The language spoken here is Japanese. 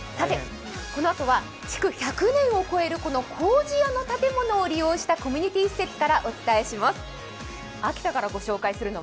このあとは築１００年を超える麹屋を利用した建物を利用したコミュニティー施設からお伝えします。